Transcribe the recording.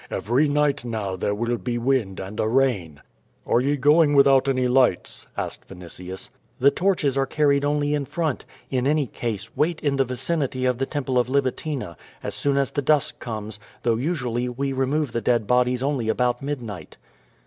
Every night now there will be wind and a rain.^' "Are ye going without any lights?" asked Vinitiis. "The torches are carried only in front. In any|case, wait in the vicinity of the Temple of Libitina, as soon as the dusk comes, though usually we remove the dead bodies cmly about midnight."